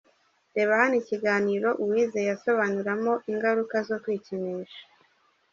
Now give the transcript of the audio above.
Reba hano ikiganiro Uwizeye asobanuramo ingaruka zo kwikinisha .